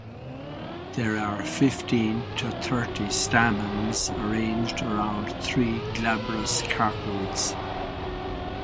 There are fifteen to thirty stamens arranged around three glabrous carpels.